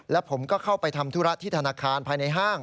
แล้วผมก็เข้าไปทำธุระที่ธนาคารภายในห้าง